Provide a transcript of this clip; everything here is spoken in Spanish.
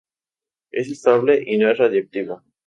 Es estable y no es radiactivo.